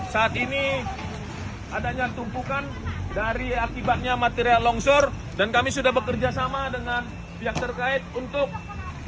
saat ini adanya tumpukan dari akibatnya material longsor dan kami sudah bekerja sama dengan pihak terkait untuk